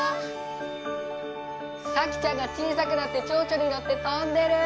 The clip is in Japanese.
さきちゃんが小さくなってちょうちょに乗って飛んでる！